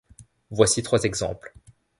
Voici trois exemples.